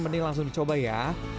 mending langsung dicoba ya